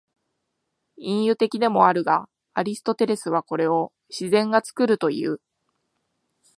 隠喩的でもあるが、アリストテレスはこれを「自然が作る」という。